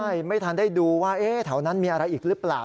ใช่ไม่ทันได้ดูว่าแถวนั้นมีอะไรอีกหรือเปล่า